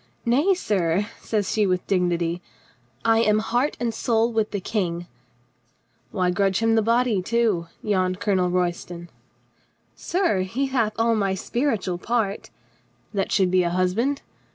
"Nay, sir," says she with dignity, "I am heart and soul with the King." "Why grudge him the body, too?" yawned Colo nel Royston. "Sir, he hath all my spiritual part —" "That should be a husband?"